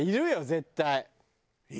絶対。